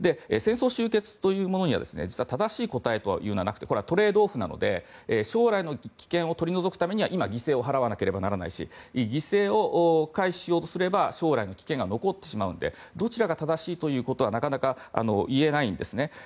戦争終結には実は正しい答えはなくてこれはトレードオフなので将来の危険を取り除くためには今、犠牲を払わなければならないし犠牲を回避しようとすれば将来の危険が残ってしまうのでどちらが正しいということはなかなかいえないんですね。